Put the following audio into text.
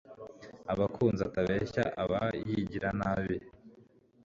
ubakunze atabeshya aba yigira nabi